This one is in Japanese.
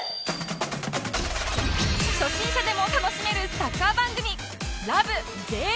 初心者でも楽しめるサッカー番組